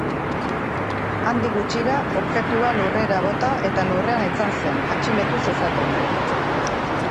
Handik gutxira, objektua lurrera bota eta lurrean etzan zen, atxilotu zezaten.